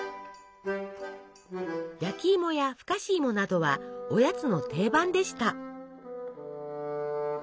焼きいもやふかしいもなどはおやつの定番でした。